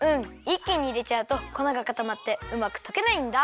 いっきにいれちゃうとこながかたまってうまくとけないんだ。